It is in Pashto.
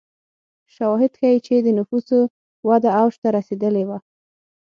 شواهد ښيي چې د نفوسو وده اوج ته رسېدلې وه.